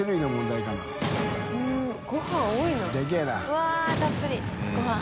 うわったっぷりごはん。